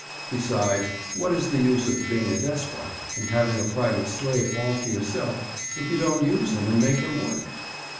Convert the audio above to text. Besides, what is the use of being a despot and having a private slave, all to yourself, if you don't use him and make him work?